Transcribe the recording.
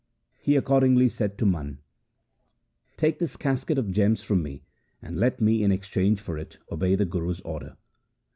He accordingly said to Mana, ' Take this casket of gems from me, and let me in exchange for it obey the Guru's order.'